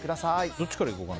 どっちからいこうかな。